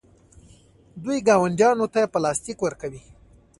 دوی ګاونډیانو ته پلاستیک ورکوي.